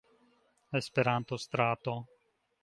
Esperanto-Strato.